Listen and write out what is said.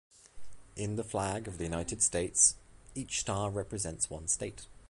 In the flag of the United States, each star represents one state.